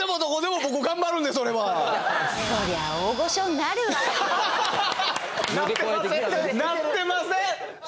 なってません。